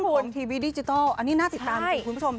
ในเรื่องของทีวีดิจิทัลอันนี้น่าติดตามคุณผู้ชม